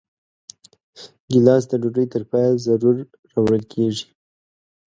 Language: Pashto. ګیلاس د ډوډۍ تر پایه ضرور راوړل کېږي.